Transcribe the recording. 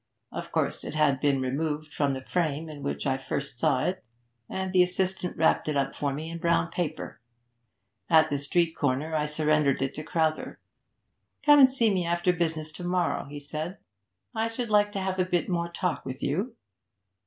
Of course, it had been removed from the frame in which I first saw it, and the assistant wrapped it up for me in brown paper. At the street corner I surrendered it to Crowther. "Come and see me after business to morrow," he said, "I should like to have a bit more talk with you."